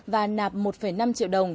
và nạp một năm triệu đồng